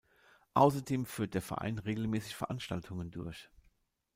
Außerdem führt der Verein regelmäßig Veranstaltungen durch.